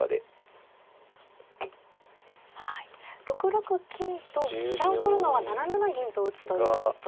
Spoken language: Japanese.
６六金と飛車を取るのは７七銀と打つということ。